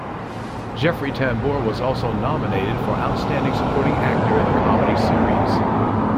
Jeffrey Tambor was also nominated for Outstanding Supporting Actor in a Comedy Series.